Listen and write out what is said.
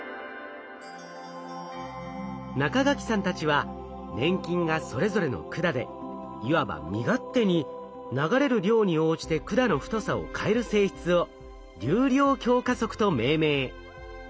中垣さんたちは粘菌がそれぞれの管でいわば身勝手に流れる量に応じて管の太さを変える性質を「流量強化則」と命名。